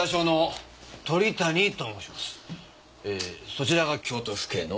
そちらが京都府警の？